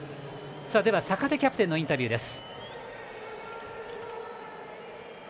坂手キャプテンのインタビューです。